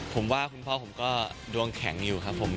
ผมว่าคุณพ่อผมก็ดวงแข็งอยู่ครับผม